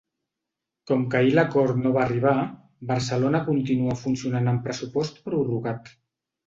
Com que ahir l’acord no va arribar, Barcelona continua funcionant amb pressupost prorrogat.